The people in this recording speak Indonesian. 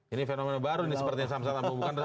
ini fenomena baru nih sepertinya samsat apung